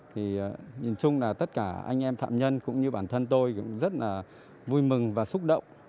thì nhìn chung là tất cả anh em phạm nhân cũng như bản thân tôi cũng rất là vui mừng và xúc động